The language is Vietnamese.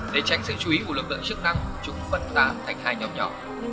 để tránh sự chú ý của lực lượng chức năng chúng phân tán thành hai nhóm nhỏ